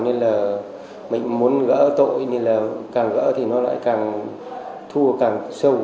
nên là mình muốn gỡ tội nên là càng gỡ thì nó lại càng thua càng sâu